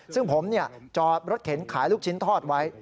ซึ่งผมจอดรถเข็นขายลูกชิ้นทอดไว้